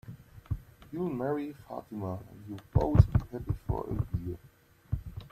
You'll marry Fatima, and you'll both be happy for a year.